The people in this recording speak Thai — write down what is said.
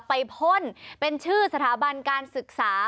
พ่นเป็นชื่อสถาบันการศึกษา